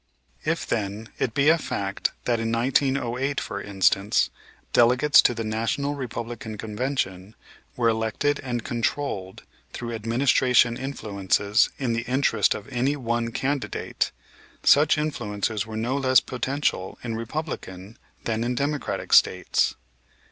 If, then, it be a fact that in 1908, for instance, delegates to the National Republican Convention were elected and controlled through administration influences in the interest of any one candidate, such influences were no less potential in Republican than in Democratic States.